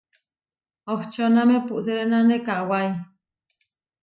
Ohčóname puʼserénane kawái.